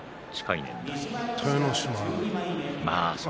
豊ノ島。